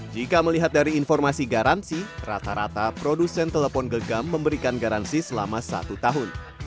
jika melihat dari informasi garansi rata rata produsen telepon genggam memberikan garansi selama satu tahun